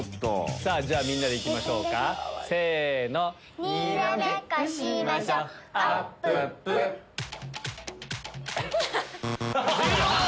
みんなでいきましょうかせの！にらめっこしましょあっぷっぷアハハ！